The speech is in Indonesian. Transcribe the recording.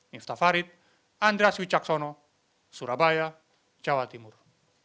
miftah farid andras wicaksono surabaya jawa timur